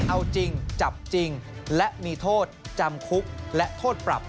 เอาจริงจับจริงและมีโทษจำคุกและโทษปรับ